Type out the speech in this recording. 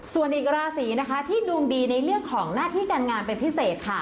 ส่วนอีกราศีนะคะที่ดวงดีในเรื่องของหน้าที่การงานเป็นพิเศษค่ะ